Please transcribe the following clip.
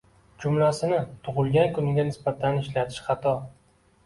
Jumlasini tugʻilgan kunga nisbatan ishlatish xato